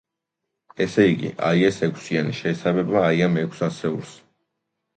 ესე იგი, აი ეს ექვსიანი, შეესაბამება აი ამ ექვს ასეულს.